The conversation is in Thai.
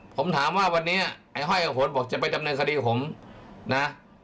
ผมถามว่าวันนี้ไอ้ห้อยกับหนบอกจะไปดำเนินคดีผมนะ